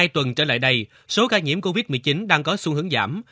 hai tuần trở lại đây số ca nhiễm covid một mươi chín đang có xu hướng giảm